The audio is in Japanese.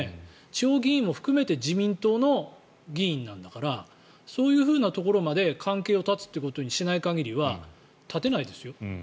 地方議員も含めて自民党の議員なんだからそういうところまで関係を絶つということにしない限りは絶てないですよ。